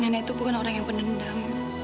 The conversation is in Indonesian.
nenek itu bukan orang yang pendendam